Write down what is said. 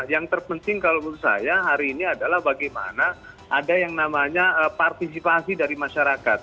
yang terpenting kalau menurut saya hari ini adalah bagaimana ada yang namanya partisipasi dari masyarakat